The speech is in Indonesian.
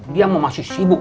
dia mah masih sibuk